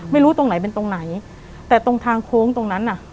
ไม่รู้ตรงไหนเป็นตรงไหนแต่ตรงทางโค้งตรงนั้นน่ะ